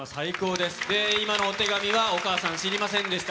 で、今のお手紙はお母さん知りませんでした。